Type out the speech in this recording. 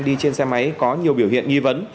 đi trên xe máy có nhiều biểu hiện nghi vấn